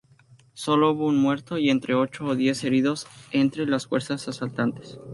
Solo hubo un muerto y entre ocho o diez heridos entre las fuerzas asaltantes.